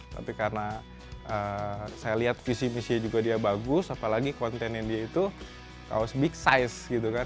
tapi karena saya lihat visi misinya juga dia bagus apalagi kontennya dia itu kaos big size gitu kan